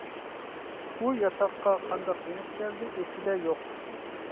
ئۇ ياتاققا قانداق يېنىپ كەلدى ئېسىدە يوق.